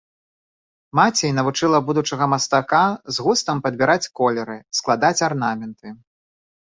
Маці навучыла будучага мастака з густам падбіраць колеры, складаць арнаменты.